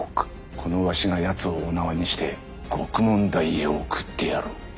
このわしが奴をお縄にして獄門台へ送ってやる。